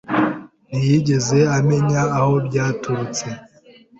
Ntiyigeze amenya aho byaturutse.